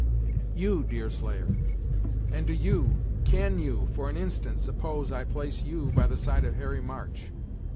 "You, Deerslayer! And do you can you, for an instant, suppose I place you by the side of Harry March?